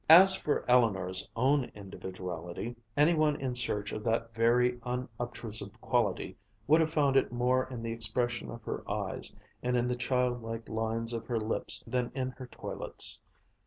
As for Eleanor's own individuality, any one in search of that very unobtrusive quality would have found it more in the expression of her eyes and in the childlike lines of her lips than in her toilets.